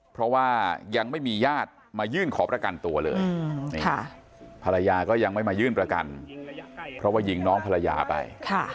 เพราะว่ายังไม่มีญาติมายื่นขอประกันตัวเลยภรรยาก็ยังไม่มายื่นประกันเพราะว่ายิงน้องภรรยาไป